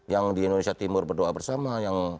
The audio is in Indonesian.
yang di indonesia timur berdoa bersama